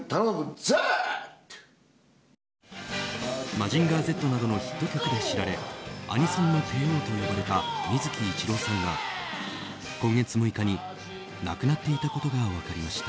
「マジンガーＺ」などのヒット曲で知られアニソンの帝王と呼ばれた水木一郎さんが今月６日に亡くなっていたことが分かりました。